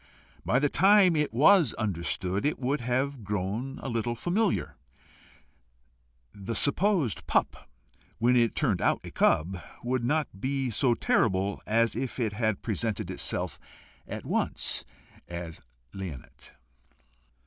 By the time it was understood, it would have grown a little familiar: the supposed pup when it turned out a cub, would not be so terrible as if it had presented itself at once as leonate.